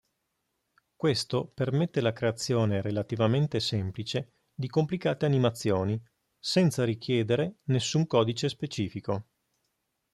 Questo permette la creazione relativamente semplice di complicate animazioni, senza richiedere nessun codice specifico.